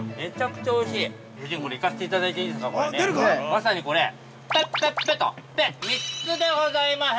◆まさに、これ、ペペペ！と、ペ３つでございます。